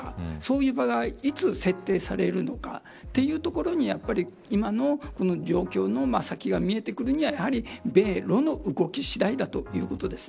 そういう場がいつ設定されるのかというところに、今のこの状況の先が見えてくるにはやはり米露の動き次第だということです。